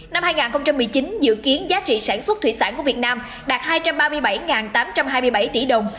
năm hai nghìn một mươi chín dự kiến giá trị sản xuất thủy sản của việt nam đạt hai trăm ba mươi bảy tám trăm hai mươi bảy tỷ đồng